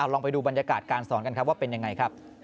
ลองไปดูบรรยากาศการสอนกันครับว่าเป็นยังไงครับ